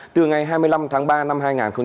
từ ngày hai mươi năm tháng ba năm hai nghìn hai mươi